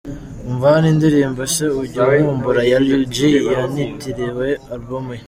Umva hano indirimbo Ese ujya unkumbura ya Lil G yanitiriwe album ye.